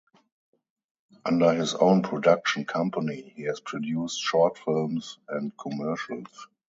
Under his own production company he has produced short films and commercials.